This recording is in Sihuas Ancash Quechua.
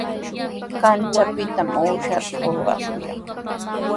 Kanchapita uushata hurqashun.